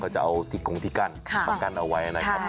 เขาจะเอาที่คงที่กั้นค่ะประกันเอาไว้นะครับค่ะ